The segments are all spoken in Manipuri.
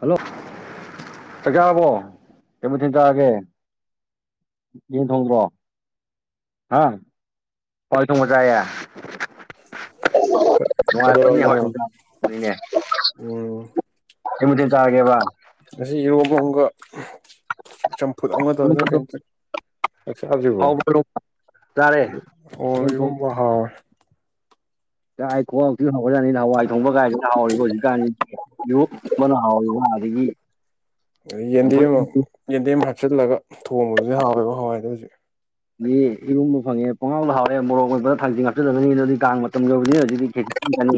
ꯍꯜꯂꯣ ꯆꯥꯛ ꯆꯔꯕ꯭ꯔꯣ ꯀꯩ ꯃꯊꯦꯜ ꯆꯔꯥꯒꯦ ꯌꯦꯟ ꯊꯣꯡꯗ꯭ꯔꯣ ꯍꯥꯋꯥꯏ ꯊꯣꯡꯕ ꯆꯥꯏꯌꯦ ꯅꯨꯡꯉꯥꯏꯅꯤ [unintelligible] ꯍꯥꯑꯣꯕꯅꯤꯅꯦ ꯑꯣ ꯀꯩ ꯃꯊꯦꯜ ꯆꯔꯥꯒꯦꯕ ꯉꯥꯁꯤ ꯏꯔꯣꯝꯕꯥ ꯑꯃꯒ ꯆꯝꯐꯨꯠ ꯑꯃ ꯇꯧꯔ ꯀꯩꯇꯁꯤꯕꯣ ꯆꯥꯛ ꯆꯗ꯭ꯔꯤꯕꯤ ꯍꯥꯎꯕ꯭ꯔꯣ ꯆꯥꯔꯦ ꯑꯣ ꯌꯦꯟ ꯊꯣꯡꯉꯦ ꯏꯔꯣꯝꯕ ꯍꯥꯎꯌꯦ ꯥꯏ ꯈꯣꯡꯛꯇ ꯍꯧꯔꯛꯅꯤꯅ ꯍꯋꯥꯏ ꯊꯣꯡꯕ ꯀꯥꯏꯗꯨ ꯍꯥꯎꯔꯤꯕ ꯍꯧꯖꯤꯛꯀꯥꯟ ꯌꯨꯛ ꯃꯅ ꯍꯥꯎꯋꯕ ꯑꯗꯒꯤ ꯑꯩ ꯌꯦꯟꯗꯦꯝ ꯆꯝꯐꯨꯠ ꯑꯃ ꯑꯗꯒꯤ ꯌꯦꯟꯗꯦꯝ ꯍꯥꯞꯆꯤꯜꯂꯒ ꯊꯣꯡꯕꯗꯨꯗꯤ ꯍꯥꯎꯋꯦꯕ ꯍꯋꯥꯏꯗꯣ ꯍꯧꯖꯤꯛ ꯑꯗꯒꯤ ꯏꯔꯨꯝꯕ ꯐꯪꯉꯦ ꯄꯣꯉꯥꯎꯗ ꯍꯥꯎꯋꯦ ꯃꯣꯔꯣꯛ ꯑꯣꯏꯕ ꯊꯥꯡꯖꯤꯡ ꯍꯥꯞꯆꯤꯜꯕꯅꯤ ꯑꯗꯨꯅꯗꯤ ꯀꯥꯡ ꯃꯇꯝ ꯌꯧꯕꯅꯤꯅ ꯍꯧꯖꯤꯛꯇꯤ ꯆꯦ [unintelligible] ꯁꯨꯋꯦ ꯑꯗꯨ [unintelligible]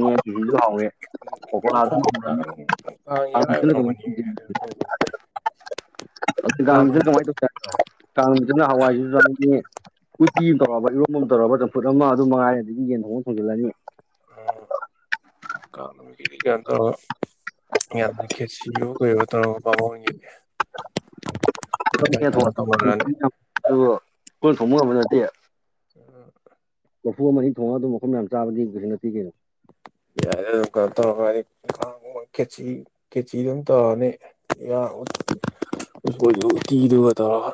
ꯈꯔ ꯀꯥꯡ ꯀꯥꯡ ꯏꯔꯥꯏ ꯑꯣꯏꯔꯝꯒꯅꯤ ꯇꯧꯕꯅꯦ ꯀꯥꯡ ꯀꯥꯡꯅ ꯅꯨꯃꯤꯠ ꯀꯃꯥꯏꯅ ꯇꯧꯁꯦ ꯍꯥꯏꯅꯣ ꯀꯥꯡꯁꯤ ꯅꯥꯍꯋꯥꯏꯁꯤ ꯎꯇꯤ ꯑꯃ ꯇꯧꯔꯕ ꯏꯔꯣꯝ ꯑꯃ ꯇꯧꯔꯕ ꯆꯝꯐꯨꯠ ꯑꯃ ꯑꯗꯨ ꯃꯉꯥꯏ ꯑꯗꯒꯤ ꯌꯦꯟ ꯊꯣꯡꯅ ꯊꯣꯡꯖꯤꯜꯂꯅꯤ ꯑ ꯀꯥꯡ ꯑꯩꯗꯤ ꯀꯩꯅꯣ ꯇꯧꯔꯒ ꯌꯥꯝꯅ ꯈꯦꯠꯁꯤꯌꯣ ꯀꯩꯔꯣ ꯇꯧꯔꯒ ꯕꯥꯃꯣꯟ ꯒꯤ [unintelligible] ꯈꯣꯏꯅꯥ ꯇꯧꯅꯔꯅꯤ ꯊꯣꯡꯕ ꯉꯝꯕꯗꯨ ꯅꯠꯇꯦ ꯑ [unintelligible] ꯀꯣꯔꯐꯨ ꯑꯃ ꯑ ꯊ ꯊꯣꯛꯣꯡꯉꯒ ꯑꯗꯨꯝ ꯃꯐꯝ ꯌꯥꯝ ꯆꯥꯕꯗꯤꯈꯖꯤꯁꯨ ꯅꯠꯇꯦ ꯀꯩꯅꯣ ꯌꯥꯔꯦ ꯑꯗꯨꯝ ꯇꯧꯔꯅꯤ ꯀꯦꯆꯤ ꯀꯦꯆꯤ ꯑꯗꯨꯝ ꯇꯧꯔꯅꯤ ꯎꯁꯣꯏꯗꯨ ꯎꯇꯤꯗꯨꯒ ꯇꯧꯔꯒ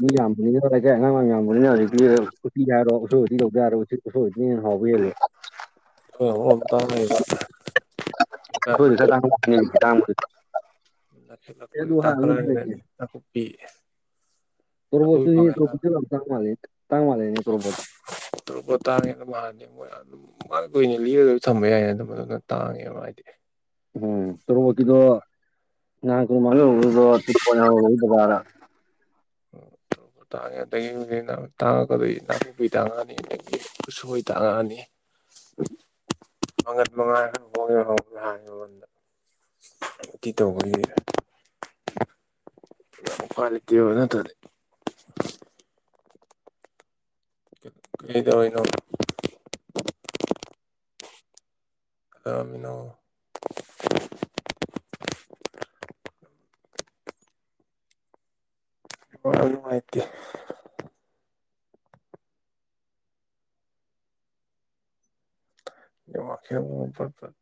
ꯃꯤ ꯌꯥꯝꯕꯅꯤꯅ ꯀꯔ ꯀꯦ ꯑꯉꯥꯡ ꯌꯥꯝꯕꯅꯤꯅ ꯍꯧꯖꯤꯛꯇꯤ ꯎꯇꯤ ꯍꯥꯏꯔꯣ ꯁꯤ ꯂꯧꯗ ꯌꯥꯔ ꯎꯁꯣꯏ ꯎꯇꯤꯅꯥ ꯍꯥꯎꯕ ꯍꯦꯜꯂꯦ ꯑꯩꯈꯣꯏ [unintelligible] [unintelligible] ꯑꯦ ꯑꯗꯨ ꯍꯥꯏꯔꯨꯅꯨ [unintelligible] ꯅꯥꯀꯨꯄꯤ [unintelligible] ꯇꯥꯡ ꯇꯥꯡ ꯃꯥꯟꯂꯦꯅꯦ ꯇꯣꯔꯣꯕꯣꯠ ꯇꯣꯔꯣꯕꯣꯠ ꯇꯥꯉꯦ [unintelligible] ꯑꯗꯨꯝ ꯃꯥ ꯀꯨꯏꯅꯤ ꯂꯤꯔꯒꯁꯨ ꯊꯝꯕ ꯌꯥꯏꯅ ꯑꯗꯨꯝ ꯑꯗꯨꯅ ꯇꯥꯡꯉꯦꯕ ꯍꯥꯏꯗꯤ ꯎꯝ ꯇꯣꯔꯣꯕꯣꯛꯀꯤꯗꯣ ꯉꯍꯥꯟ ꯇꯃꯥꯡ ꯇꯔꯗꯕꯔꯥ [unintelligible] [inaudible] ꯇꯣꯔꯣꯞ ꯇꯥꯡꯉꯦ ꯑꯗꯒꯤ ꯍꯧꯖꯤꯛ ꯇꯥꯡꯉꯛꯀꯗ ꯅꯥꯀꯨꯄꯤ ꯇꯥꯡꯉꯛꯑꯅꯤ ꯑꯗꯒꯤ ꯎꯁꯣꯏ ꯇꯥꯡꯉꯛꯑꯅꯤ ꯃꯟꯒꯜ ꯃꯛ ꯉꯥꯏ [unintelligible] [unintelligible] ꯇꯦ [unintelligible] ꯀꯔꯤꯗꯧꯔꯤꯅꯣ ꯀꯩꯗꯧꯔꯝꯃꯤꯅꯣ ꯑꯥ ꯅꯨꯉꯥꯏꯇꯦ ꯋꯥꯛꯁꯤꯅꯥ ꯃꯔꯣꯟ ꯑꯃꯥ ꯄꯥꯠ ꯄꯠ